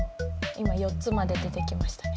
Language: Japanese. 今４つまで出てきましたね。